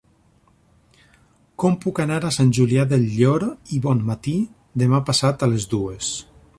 Com puc anar a Sant Julià del Llor i Bonmatí demà passat a les dues?